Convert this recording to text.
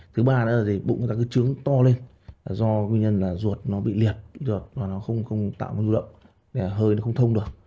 thứ ba là bụng người ta cứ trướng to lên do nguyên nhân là ruột nó bị liệt ruột nó không tạo ngu lậm hơi nó không thông được